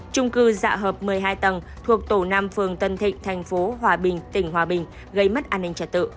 trung cư dạ hợp một mươi hai tầng thuộc tổ năm phường tân thịnh thành phố hòa bình tỉnh hòa bình gây mất an ninh trật tự